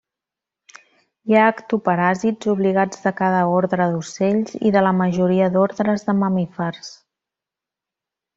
Hi ha ectoparàsits obligats de cada ordre d'ocells i de la majoria d'ordres de mamífers.